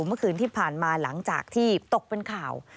เมื่อคืนที่ผ่านมาหลังจากที่ตกเป็นข่าว